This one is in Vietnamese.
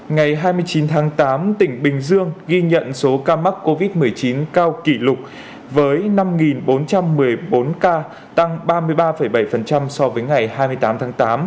ngày hai mươi chín tháng tám tỉnh bình dương ghi nhận số ca mắc covid một mươi chín cao kỷ lục với năm bốn trăm một mươi bốn ca tăng ba mươi ba bảy so với ngày hai mươi tám tháng tám